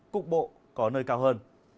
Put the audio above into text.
cục bộ có nơi cao hơn